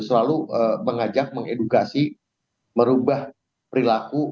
selalu mengajak mengedukasi merubah perilaku